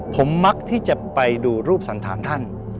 ผมมักที่จะไปดูรูปสันธารท่าน